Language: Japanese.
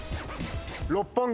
六本木。